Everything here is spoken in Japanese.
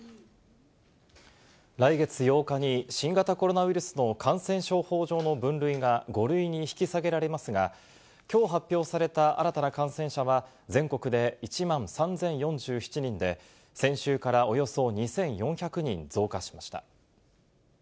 来月８日に新型コロナウイルスの感染症法上の分類が５類に引き下げられますが、きょう発表された新たな感染者は全国で１万３０４７人で、先週からおよそ２４００人増加しました。